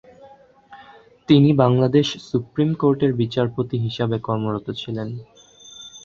তিনি বাংলাদেশ সুপ্রিম কোর্টের "বিচারপতি" হিসাবে কর্মরত ছিলেন।